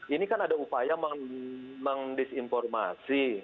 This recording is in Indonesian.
ini kan ada upaya mendisinformasi